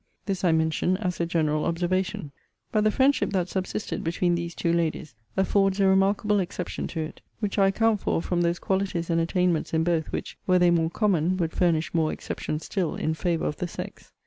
This I mention as a general observation; but the friendship that subsisted between these two ladies affords a remarkable exception to it: which I account for from those qualities and attainments in both, which, were they more common, would furnish more exceptions still in favour of the sex.